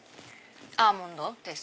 アーモンドです